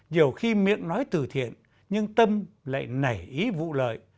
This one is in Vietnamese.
nhiều khi miệng nói từ thiện nhưng tâm lại nảy ý vụ lợi